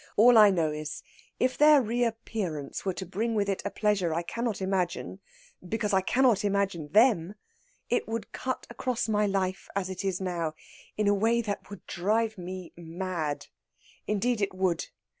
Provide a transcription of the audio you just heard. All I know is, if their reappearance were to bring with it a pleasure I cannot imagine because I cannot imagine them it would cut across my life, as it is now, in a way that would drive me mad. Indeed it would.